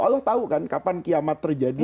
allah tahu kan kapan kiamat terjadi